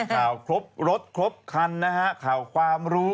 ข่าวครบรถครบคันข่าวความรู้